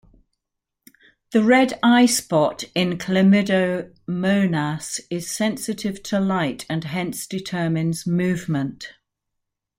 The red eye spot in chlamydomonas is sensitive to light and hence determines movement.